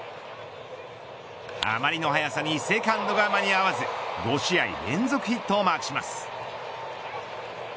あまりの速さにセカンドが間に合わず５試合連続ヒットをマークします。